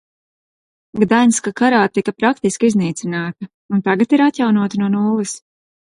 Gdaņska karā tika praktiski iznīcināta un tagad ir atjaunota no nulles.